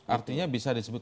artinya bisa disebut